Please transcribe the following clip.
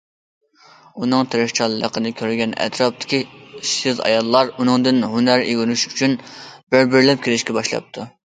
ئۇنىڭ تىرىشچانلىقىنى كۆرگەن ئەتراپىدىكى ئىشسىز ئاياللار ئۇنىڭدىن ھۈنەر ئۆگىنىش ئۈچۈن بىر- بىرلەپ كېلىشكە باشلاپتۇ.